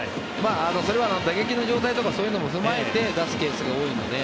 それは打撃の状態とかそういうのも踏まえて出すケースが多いので。